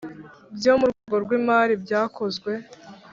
Byo Mu Rwego Rw Imari Byakozwe